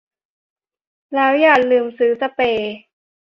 แล้วอย่าลืมซื้อสเปรย์